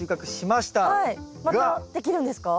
またできるんですか？